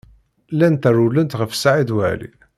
Llant rewwlent ɣef Saɛid Waɛli.